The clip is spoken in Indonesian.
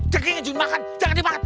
jangan inget jun makan jangan dimakan